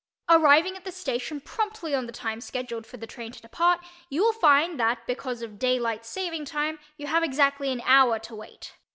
Arriving at the station promptly on the time scheduled for the train to depart you will find that because of "daylight saving time" you have exactly an hour to wait.